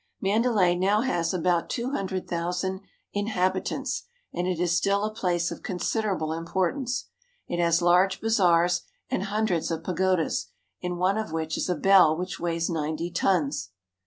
Mandalay now has about two hundred thousand inhabitants, and it is still a place of consider able importance. It has large bazaars and hundreds of pagodas, in one of which is a bell which weighs ninety tons.